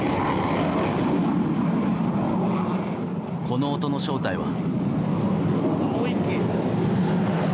この音の正体は。